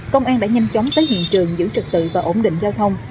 công an đã nhanh chóng tới hiện trường giữ trực tự và ổn định giao thông